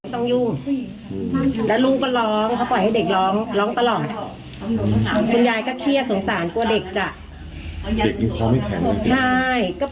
ต้องยุ่มแล้วลูกก็ร้องเขาปล่อยให้เด็กร้องร้องตลอด